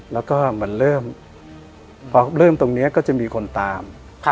แล้วก็มันเริ่มพอเริ่มตรงนี้ก็จะมีคนตาม